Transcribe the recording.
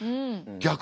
逆？